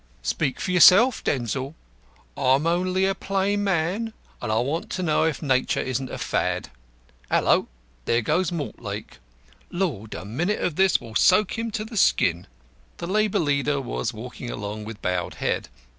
"Speak for yourself, Denzil. I'm only a plain man, and I want to know if Nature isn't a Fad. Hallo, there goes Mortlake! Lord, a minute of this will soak him to the skin." The labour leader was walking along with bowed head.